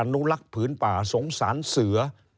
นุรักษ์ผืนป่าสงสารเสือ